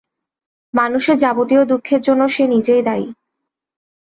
মানুষের যাবতীয় দুঃখের জন্য সে নিজেই দায়ী।